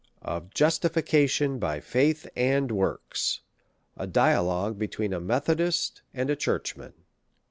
Of Justification by Faith and Works ; a Dia logue between a Methodist and a Churchman.